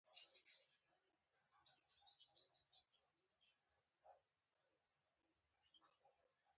او له تېروتنې زدکړه وکړه.